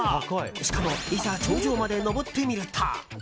しかもいざ頂上まで登ってみると。